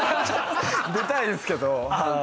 出たいですけど。